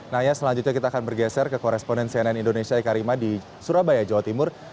nanya selanjutnya kita akan bergeser ke koresponen cnn indonesia eka rima di surabaya jawa timur